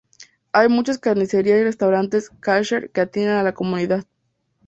Hay muchas carnicerías y restaurantes kasher que atienden a la comunidad.